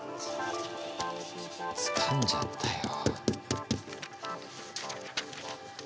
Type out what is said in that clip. つかんじゃったよ。